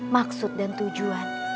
maksud dan tujuan